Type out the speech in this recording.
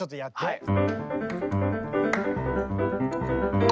はい。